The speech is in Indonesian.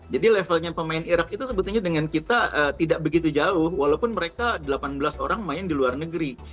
jadi levelnya pemain iraq itu sebetulnya dengan kita tidak begitu jauh walaupun mereka delapan belas orang main di luar negeri